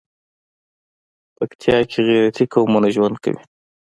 پکتيا کې غيرتي قومونه ژوند کوي.